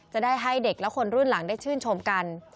จะได้ให้เด็กและคนรุ่นหลังได้ชื่นชมกัน